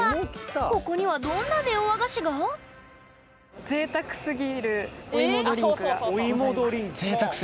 ここにはどんなネオ和菓子が？がございます。